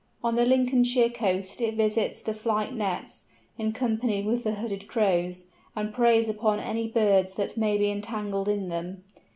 On the Lincolnshire coasts it visits the flight nets, in company with the Hooded Crows, and preys upon any birds that may be entangled in them.